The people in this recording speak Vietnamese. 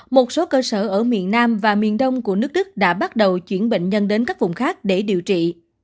một số cơ sở ở miền nam và miền đông của nước đức đã bắt đầu chuyển bệnh nhân đến các vùng khác để điều trị